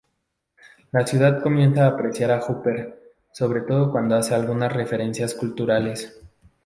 La ciudad comienza a apreciar a Hooper, sobre todo cuando hace algunas referencias culturales.